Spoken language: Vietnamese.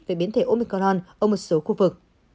về biến thể omicron ở một số khu vực